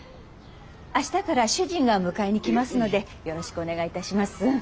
明日から主人が迎えに来ますのでよろしくお願いいたします。